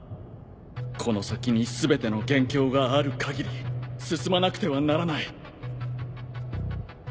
この先に全ての元凶があるかぎり進まなくてはならない。